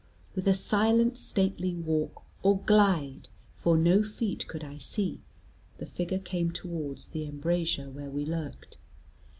With a silent stately walk, or glide for no feet could I see the figure came towards the embrasure where we lurked.